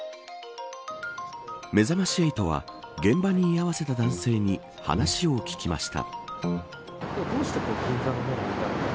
めざまし８は現場に居合わせた男性に話を聞きました。